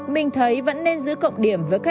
mình thấy vẫn nên giữ cộng điểm với các